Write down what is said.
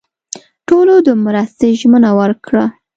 ټولو د مرستې ژمنه ورکړه.